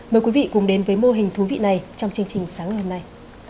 mời quý vị cùng đến với mô hình thú vị này trong chương trình sáng ngày hôm nay